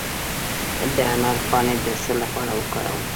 د انار پاڼې د څه لپاره وکاروم؟